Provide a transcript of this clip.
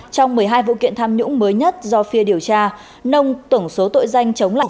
trong một mươi hai vụ kiện tham nhũng mới nhất do phía điều tra nông tổng số tội danh chống lại